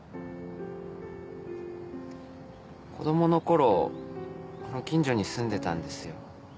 子供の頃この近所に住んでたんですよ。